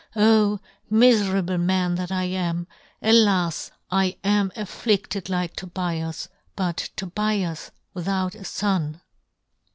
O miferable man that I am !" Alas, I am afflifted like Tobias, " but Tobias without a fon